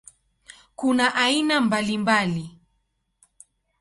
Kuna aina mbalimbali.